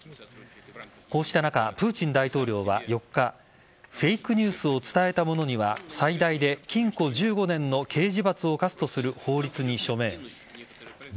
こうした中プーチン大統領は４日フェイクニュースを伝えた者には最大で禁錮１５年の刑事罰を科すとする、法律に署名。